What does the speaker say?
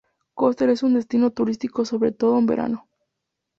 Koster es un destino turístico sobre todo en verano.